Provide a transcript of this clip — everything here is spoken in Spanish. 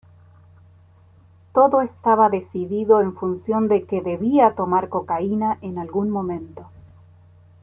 Todo estaba decidido en función de que debía tomar cocaína en algún momento.